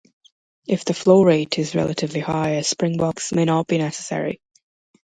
If the flow rate is relatively high, a spring box may not be necessary.